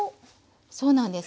そうなんです。